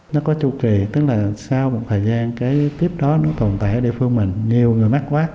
nó có chu kỳ tức là sau một thời gian cái tiếp đó nó tồn tại ở địa phương mình nhiều người mắc quá